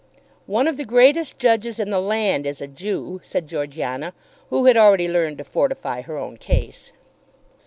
"One of the greatest judges in the land is a Jew," said Georgiana, who had already learned to fortify her own case.